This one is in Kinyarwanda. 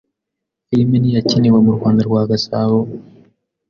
Filime ni iyakiniwe mu Rwanda rwa gasabo